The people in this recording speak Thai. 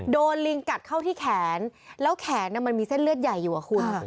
ลิงกัดเข้าที่แขนแล้วแขนมันมีเส้นเลือดใหญ่อยู่อะคุณ